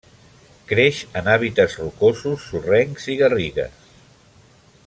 Creix en hàbitats rocosos, sorrencs i garrigues.